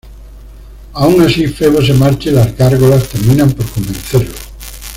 Aun así Febo se marcha y las gárgolas terminan por convencerlo.